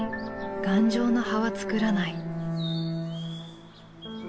頑丈な葉はつくらない。